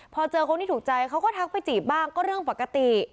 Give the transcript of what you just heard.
พอเจอคนที่ถูกใจเขาก็ทักไปจีบบ้างก็เรื่องปกติ